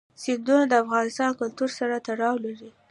سیندونه د افغان کلتور سره تړاو لري.